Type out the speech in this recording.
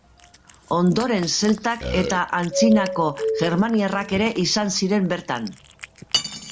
Ondoren zeltak eta antzinako germaniarrak ere izan ziren bertan.